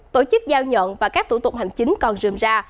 tổ chức giao nhận và các thủ tục hành chính còn dườm ra